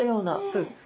そうです。